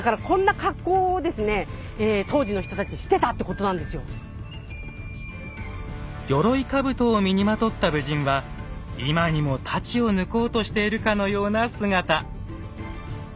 この埴輪なんかは鎧兜を身にまとった武人は今にも大刀を抜こうとしているかのような姿。